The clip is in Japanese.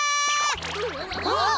あっ！